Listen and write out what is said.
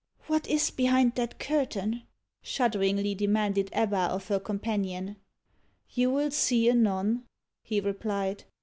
"What is behind that curtain?" shudderingly demanded Ebba of her companion. "You will see anon," he replied.